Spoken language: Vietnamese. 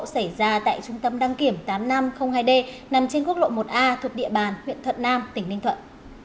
xảy ra tại trung tâm đăng kiểm tám nghìn năm trăm linh hai d nằm trên quốc lộ một a thuộc địa bàn huyện thuận nam tỉnh ninh thuận